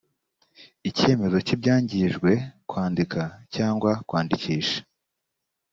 icyemezo cy ibyangijwe kwandika cyangwa kwandikisha